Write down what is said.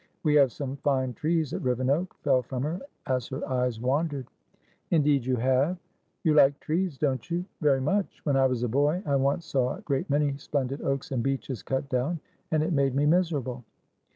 "We have some fine trees at Rivenoak," fell from her, as her eyes wandered. "Indeed you have!" "You like trees, don't you?" "Very much. When I was a boy, I once saw a great many splendid oaks and beeches cut down, and it made me miserable."